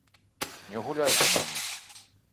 Не гуляй з намі!